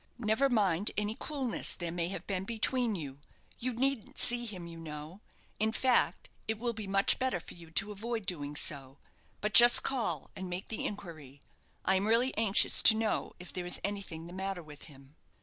Never mind any coolness there may have been between you. You needn't see him, you know; in fact it will be much better for you to avoid doing so. But just call and make the inquiry. I am really anxious to know if there is anything the matter with him."